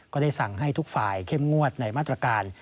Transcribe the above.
ก็ได้สั่งให้ทุกฝ่ายเข้มงวดในมาตรการ